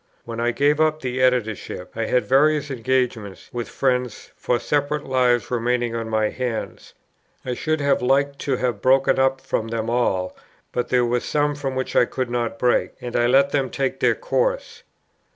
When I gave up the Editorship, I had various engagements with friends for separate Lives remaining on my hands. I should have liked to have broken from them all, but there were some from which I could not break, and I let them take their course.